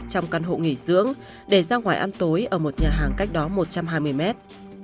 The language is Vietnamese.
trong căn hộ nghỉ dưỡng để ra ngoài ăn tối ở một nhà hàng cách đó một trăm hai mươi mét